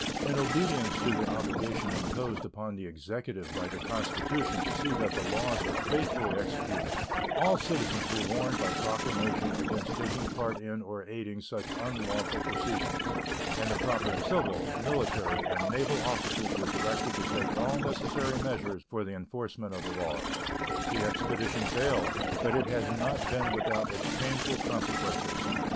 In obedience to the obligation imposed upon the Executive by the Constitution to see that the laws are faithfully executed, all citizens were warned by proclamation against taking part in or aiding such unlawful proceedings, and the proper civil, military, and naval officers were directed to take all necessary measures for the enforcement of the laws. The expedition failed, but it has not been without its painful consequences.